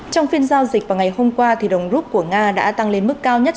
trong phiên giao dịch vào ngày hôm qua đồng rút của nga đã tăng lên mức cao nhất